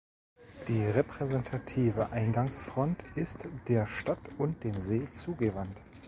Die repräsentative Eingangsfront ist der Stadt und dem See zugewandt.